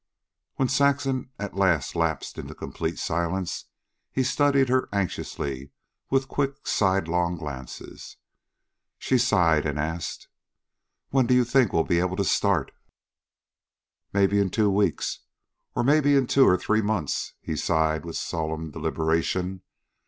When Saxon at last lapsed into complete silence, he studied her anxiously, with quick sidelong glances. She sighed and asked: "When do you think we'll be able to start?" "Maybe in two weeks... or, maybe in two or three months." He sighed with solemn deliberation.